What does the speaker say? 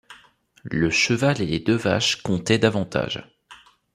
Le cheval et les deux vaches comptaient davantage.